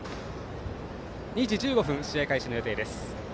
２時１５分、試合開始の予定です。